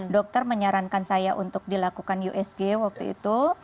dokter menyarankan saya untuk dilakukan usg waktu itu